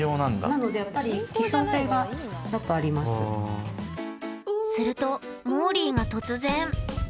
なのでやっぱりするともーりーが突然。